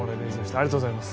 ありがとうございます。